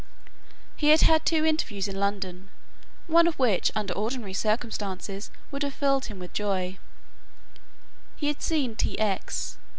He had had two interviews in London, one of which under ordinary circumstances would have filled him with joy: He had seen T. X.